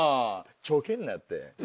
ちょけんなって。